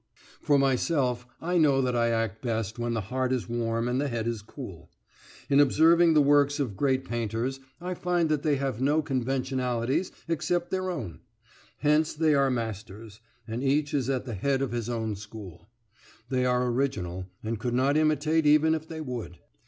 For myself, I know that I act best when the heart is warm and the head is cool. In observing the works of great painters I find that they have no conventionalities except their own; hence they are masters, and each is at the head of his own school. They are original, and could not imitate even if they would.